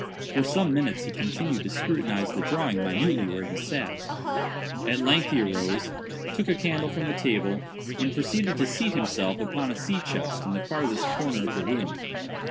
For some minutes he continued to scrutinize the drawing minutely where he sat. At length he arose, took a candle from the table, and proceeded to seat himself upon a sea chest in the farthest corner of the room.